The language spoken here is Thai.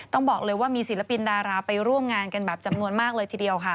ต้องบอกเลยว่ามีศิลปินดาราไปร่วมงานกันแบบจำนวนมากเลยทีเดียวค่ะ